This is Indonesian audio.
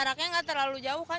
jaraknya nggak terlalu jauh kan